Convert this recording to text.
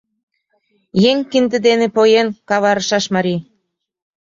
Еҥ кинде дене поен, каварышаш марий!